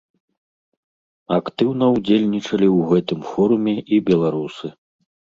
Актыўна ўдзельнічалі ў гэтым форуме і беларусы.